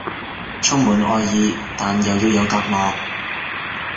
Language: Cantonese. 充滿愛意但又要有隔膜